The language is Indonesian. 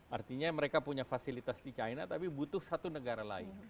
artinya mereka punya fasilitas di china tapi butuh satu negara lain